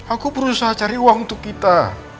aku berusaha cari uang untuk kita